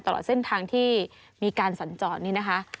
ตลอดเส้นทางที่มีการสัญจรนี่นะคะ